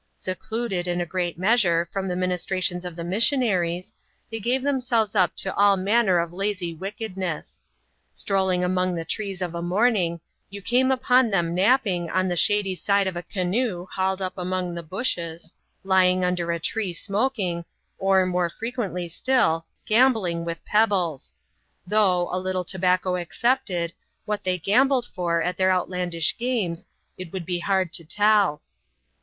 'Secluded, in a great measure, from the ministrations of the mis sionaries, they gave themselves up to all manner of lazy wicked ness. Strolling among the trees of a morning, you came upon them napping on the shady side of a canoe hauled up among the bushes ; lying under a tree smoking ; or, more frequently BtiU, gambling with pebbles ; though, a little tobacco excepted, what they gambled for at their outlandish games, it would be hard to tell.